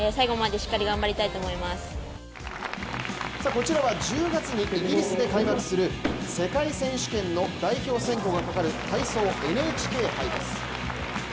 こちらは１０月にイギリスで開幕する世界選手権の代表選考がかかる体操ＮＨＫ杯です。